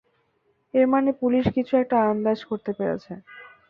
এর মানে পুলিশ কিছু একটা আন্দাজ করতে পেরেছে।